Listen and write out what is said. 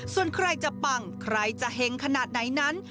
ส่วนใครจะปังใครจะเห็งขนาดไหนนั้น